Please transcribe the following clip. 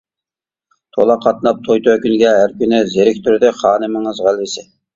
تولا قاتناپ توي-تۆكۈنگە ھەر كۈنى، زېرىكتۈردى خانىمىڭىز غەلۋىسى.